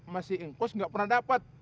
masih ingkus gak pernah dapat